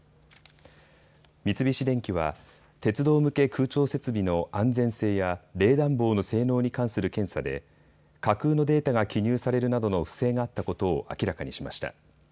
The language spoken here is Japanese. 三菱電機は鉄道向け空調設備の安全性や冷暖房の性能に関する検査で架空のデータが記入されるなどの不正があったことを明らかにしました。